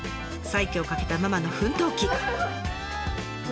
再起をかけたママの奮闘記。